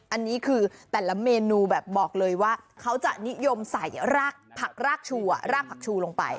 อันนี้คือแต่ละเมนูแบบบอกเลยว่าเขาจะนิยมใส่ผักรากชูรากผักชูลงไป